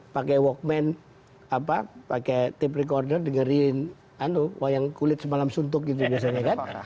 pakai walkman pakai tap recorder dengerin wayang kulit semalam suntuk gitu biasanya kan